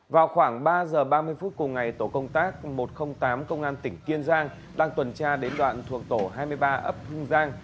vào khoảng ba giờ ba mươi phút cùng ngày tổ công tác một trăm linh tám công an tỉnh kiên giang đang tuần tra đến đoạn thuộc tổ hai mươi ba ấp hưng giang